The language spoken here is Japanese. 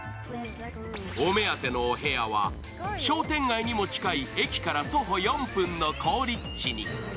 お目当てのお部屋は商店街にも近い駅から徒歩４分の好立地に。